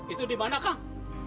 itu di mana kang